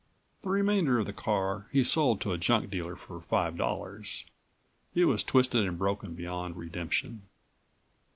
The remainder of the car he sold to a junk dealer for five dollars. It was twisted and broken beyond redemption.